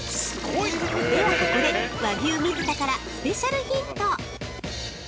◆ではここで、和牛水田からスペシャルヒント！